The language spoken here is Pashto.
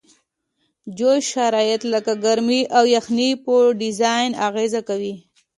جوي شرایط لکه ګرمي او یخنۍ په ډیزاین اغیزه کوي